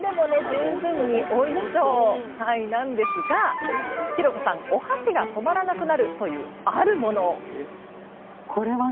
十分においしそうなんですが浩子さんお箸が止まらなくなるというあるものを！